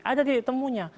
ada titik temunya